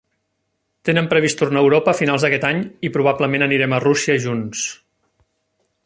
Tenen previst tornar a Europa a finals d'aquest any i probablement anirem a Rússia junts.